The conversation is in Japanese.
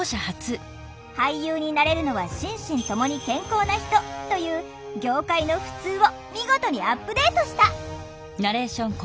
「俳優になれるのは心身ともに健康な人」という業界のふつうを見事にアップデートした！